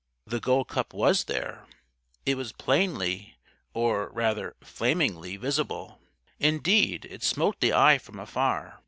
The Gold Cup was there. It was plainly or, rather, flamingly visible. Indeed, it smote the eye from afar.